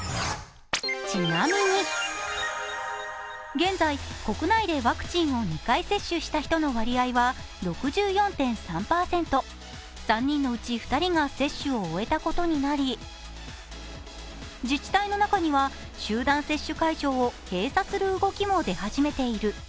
現在、国内でワクチンを２回接種した人の割合は６４．３％、３人のうち２人が接種を終えたことになり自治体の中には集団接種会場を閉鎖する動きも出始めている。